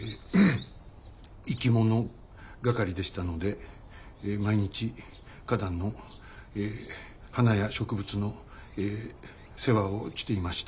生き物係でしたので毎日花壇のええ花や植物のええ世話をちていました。